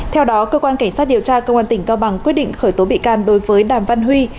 theo đó cơ quan cảnh sát điều tra công an tỉnh cao bằng quyết định khởi tố bị can đối với đàm văn huy